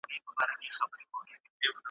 تر يو څو جرګو را وروسته `